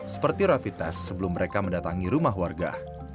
seperti rapid test sebelum mereka mendatangi rumah warga